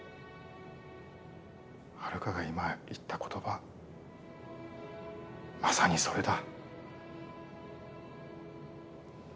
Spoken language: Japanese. ハルカが今言った言葉まさにそれだ。